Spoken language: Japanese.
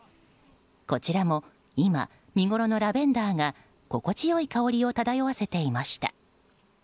こちらも今、見ごろのラベンダーが心地よい香りを漂わせていました。